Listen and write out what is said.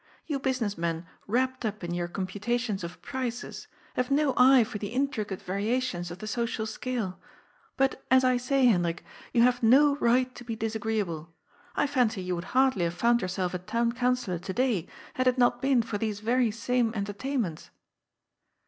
You business men wrapped up in your computations of prices have no eye for the intri cate variations of the social scale. But, as I say, Hendrik, you have no right to be disagreeable. I fancy you would hardly have found yourself a Town Councillor to day, had it not been for these very same entertainments."